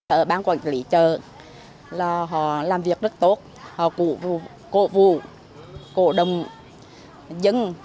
ở ban quản lý chợ họ làm việc rất tốt họ cổ vụ cổ đồng dân